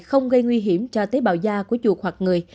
không gây nguy hiểm cho tế bào da của chuột hoặc người